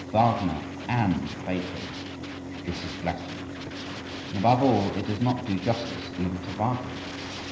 Wagner and Beethoven—this is blasphemy—and above all it does not do justice even to Wagner.